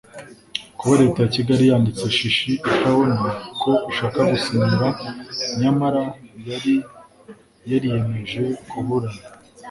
Kuba leta ya Kigali yanditse shishi itabona ko ishaka gusinyura nyamara yari yariyemeje kuburana